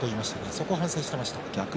そこを反省していました。